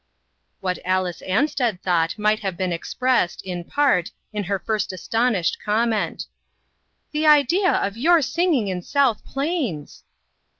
What Alice Ansted thought might have been expressed, in part, in her first aston ished comment: "The idea of your singing in South Plains!"